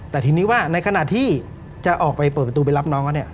แต่ทีนี้ว่าในขณะที่จะออกไปเปิดประตูไปรับน้องเขาเนี่ย